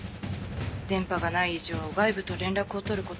電波がない以上外部と連絡を取ること。